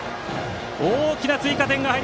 大きな追加点です。